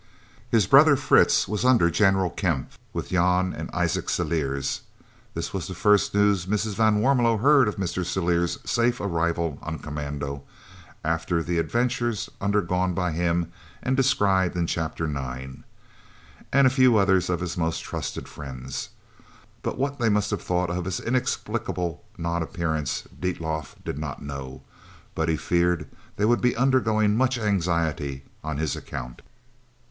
His brother Fritz was under General Kemp with Jan and Izak Celliers (this was the first news Mrs. van Warmelo heard of Mr. Celliers' safe arrival on commando, after the adventures undergone by him and described in Chapter IX), and a few others of his most trusted friends, but what they must have thought of his inexplicable non appearance Dietlof did not know, but he feared they would be undergoing much anxiety on his account.